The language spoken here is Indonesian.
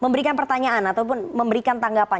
memberikan pertanyaan ataupun memberikan tanggapan